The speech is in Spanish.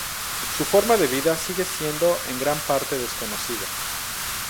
Su forma de vida sigue siendo en gran parte desconocida.